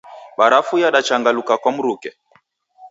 Barafu yadachanjaluka kwa mruke.